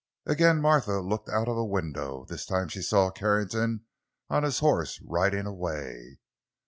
Again Martha looked out of a window. This time she saw Carrington on his horse, riding away.